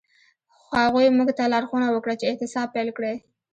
هغوی موږ ته لارښوونه وکړه چې اعتصاب پیل کړئ.